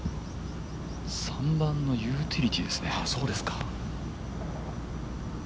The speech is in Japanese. ３番のユーティリティーですね。